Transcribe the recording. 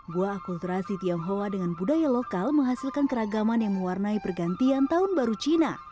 buah akulturasi tionghoa dengan budaya lokal menghasilkan keragaman yang mewarnai pergantian tahun baru cina